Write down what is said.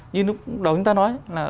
như lúc đầu chúng ta nói là